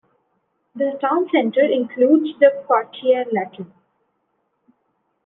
The town centre includes the "Quartier Latin".